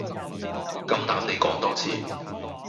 夠膽你講多次